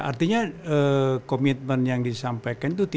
artinya komitmen yang disampaikan